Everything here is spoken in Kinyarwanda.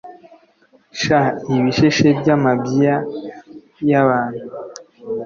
sha ibisheshe by amabyia y abantu